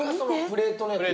プレート。